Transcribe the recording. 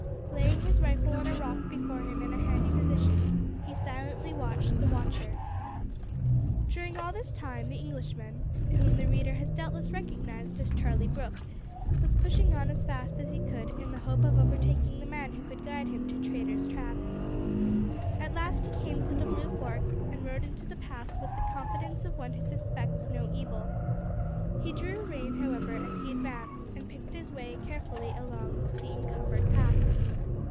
Laying his rifle on a rock before him in a handy position he silently watched the watcher. During all this time the Englishman whom the reader has doubtless recognised as Charlie Brooke was pushing on as fast as he could in the hope of overtaking the man who could guide him to Traitor's Trap. At last he came to the Blue Forks, and rode into the pass with the confidence of one who suspects no evil. He drew rein, however, as he advanced, and picked his way carefully along the encumbered path.